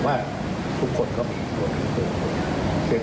ว่าทุกคนก็มีความสนใจ